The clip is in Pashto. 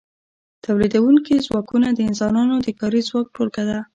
تولیدونکي ځواکونه د انسانانو د کاري ځواک ټولګه ده.